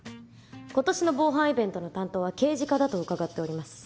今年の防犯イベントの担当は刑事課だと伺っております。